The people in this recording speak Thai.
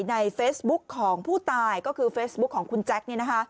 ในเฟซบุ๊คของผู้ตายก็คือเฟซบุ๊คของคุณแจ๊ค